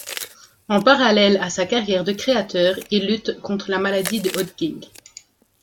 En parallèle à sa carrière de créateur, il lutte contre la maladie de Hodgkin.